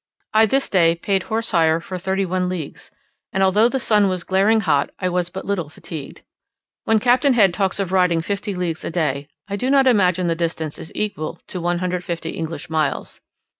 I this day paid horse hire for thirty one leagues; and although the sun was glaring hot I was but little fatigued. When Captain Head talks of riding fifty leagues a day, I do not imagine the distance is equal to 150 English miles.